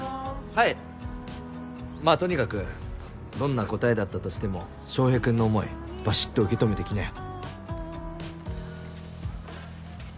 まあとにかくどんな答えだったとしても翔平君の思いバシッと受け止めてきなよ。